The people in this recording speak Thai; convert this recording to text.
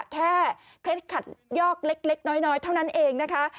เคล็ดขัดยอกเล็กน้อยเท่านั้นเองนะคะ